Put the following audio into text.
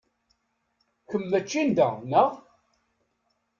Kemm mačči n da, neɣ?